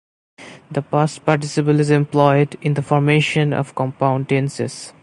The past participle is employed in the formation of compound tenses.